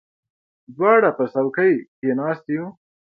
دواړه په څوکۍ کې ناست یو.